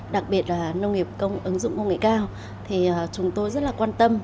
đặc biệt là nông nghiệp công ứng dụng công nghệ cao thì chúng tôi rất là quan tâm